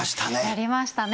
やりましたね。